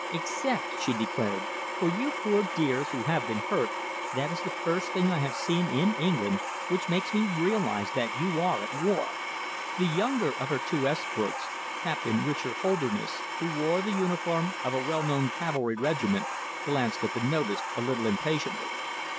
"Except," she declared, "for you poor dears who have been hurt, that is the first thing I have seen in England which makes me realise that you are at war." The younger of her two escorts, Captain Richard Holderness, who wore the uniform of a well known cavalry regiment, glanced at the notice a little impatiently.